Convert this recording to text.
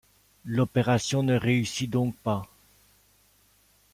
L’opération ne réussit donc pas.